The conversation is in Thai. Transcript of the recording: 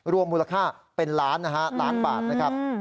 รวมมูลค่าเป็นล้านนะฮะล้านบาทนะครับ